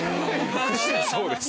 そうです。